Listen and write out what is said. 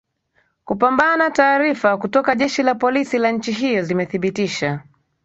kupambana taarifa kutoka jeshi la polisi la nchi hiyo zimethibitisha